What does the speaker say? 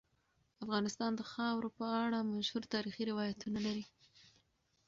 افغانستان د خاوره په اړه مشهور تاریخی روایتونه لري.